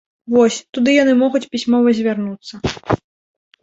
Вось, туды яны могуць пісьмова звярнуцца.